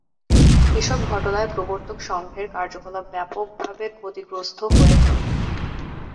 এসব ঘটনায় প্রবর্তক সংঘের কার্যকলাপ ব্যাপকভাবে ক্ষতিগ্রস্ত হয়ে পড়ে।